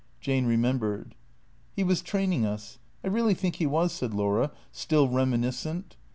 Jane remembered. " He was training us ; I really think he was," said Laura, still reminiscent.